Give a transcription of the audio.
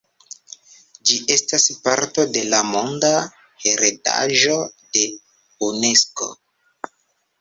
Ĝi estas parto de la Monda heredaĵo de Unesko.